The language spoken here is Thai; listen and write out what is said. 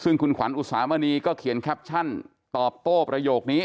ซึ่งคุณขวัญอุสามณีก็เขียนแคปชั่นตอบโต้ประโยคนี้